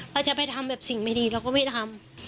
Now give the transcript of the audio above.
เราจะไปทำแบบสิ่งไม่ดีเราก็ไม่ทำ